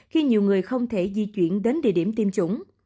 khi nhiều người không thể di chuyển đến địa điểm tiêm chủng